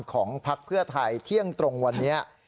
ของภักดิ์เพื่อไทยเที่ยงตรงวันนี้